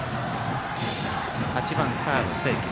８番サード、清家。